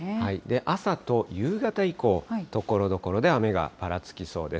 朝と夕方以降、ところどころで雨がぱらつきそうです。